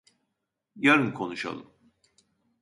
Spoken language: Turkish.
Yarın konuşalım.